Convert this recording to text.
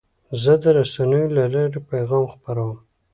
زه د رسنیو له لارې پیغام خپروم.